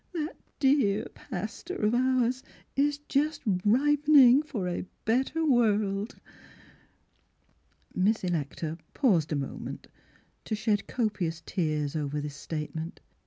That dear pastor of ours is just ripening for a better world !'" Miss Electa paused a moment to shed copious tears over this statement.